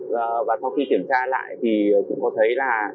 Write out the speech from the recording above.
và sau khi kiểm tra lại thì cũng có thấy là